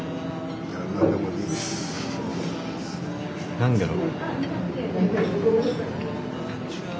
何だろう。